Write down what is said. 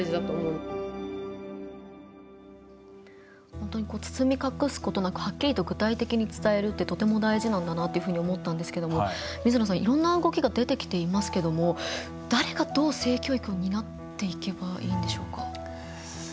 本当に包み隠すことなくはっきりと具体的に伝えるってとても大事なんだなって思ったんですけども水野さん、いろんな動きが出てきていますけども誰がどう、性教育を担っていけばいいんでしょうか？